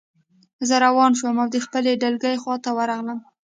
زه روان شوم او د خپلې ډلګۍ خواته ورغلم